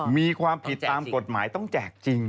มีความผิดตามกฎหมายต้องแจกจริง